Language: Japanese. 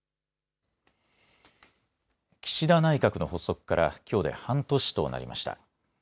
岸田内閣の発足からきょうで半年となりました。